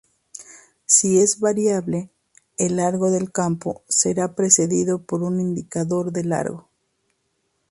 Si es variable, el largo del campo será precedido por un indicador de largo.